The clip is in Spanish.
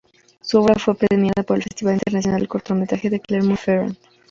Su obra fue premiada por el Festival internacional de cortometraje de Clermont-Ferrand.